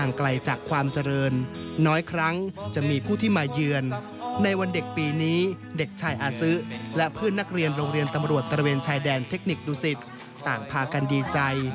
ในวันเด็กปีนี้เด็กชายอาซื้อและเพื่อนนักเรียนโรงเรียนตำรวจตระเวนชายแดนเทคนิคดูสิตต่างพากันดีใจ